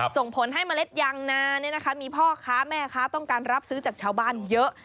ส่งผลให้เมล็ดยางนามีพ่อค้าแม่ค้าต้องการรับซื้อจากชาวบ้านเยอะ